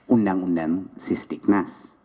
undang undang sis di knas